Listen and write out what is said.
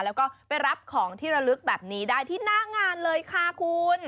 แล้วก็ไปรับของที่ระลึกแบบนี้ได้ที่หน้างานเลยค่ะคุณ